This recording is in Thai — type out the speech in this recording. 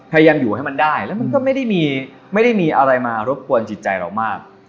พยายามอยู่ให้มันได้แล้วมันก็ไม่ได้มีอะไรมารบกวนจิตใจเรามาก